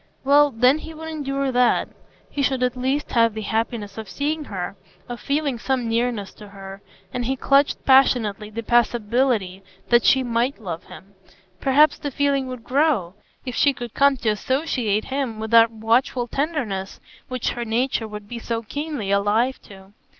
Well, then, he would endure that; he should at least have the happiness of seeing her, of feeling some nearness to her. And he clutched passionately the possibility that she might love him; perhaps the feeling would grow, if she could come to associate him with that watchful tenderness which her nature would be so keenly alive to.